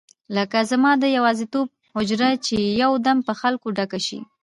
لکه زما د یوازیتوب حجره چې یو دم په خلکو ډکه شي.